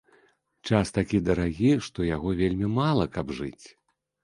Час такі дарагі, што яго вельмі мала, каб жыць